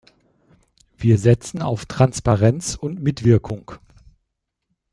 Wir setzen auf Transparenz und Mitwirkung.